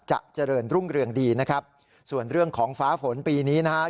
เจริญรุ่งเรืองดีนะครับส่วนเรื่องของฟ้าฝนปีนี้นะฮะ